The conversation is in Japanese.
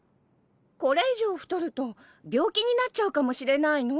これ以上太ると病気になっちゃうかもしれないの。